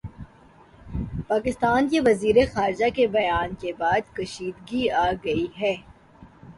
پاکستان کے وزیر خارجہ کے بیان کے بعد کشیدگی آگئی ہے